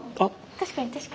確かに確かに。